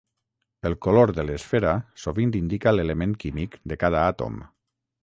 El color de l'esfera sovint indica l'element químic de cada àtom.